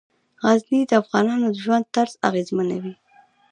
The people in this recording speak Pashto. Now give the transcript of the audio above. غزني د افغانانو د ژوند طرز اغېزمنوي.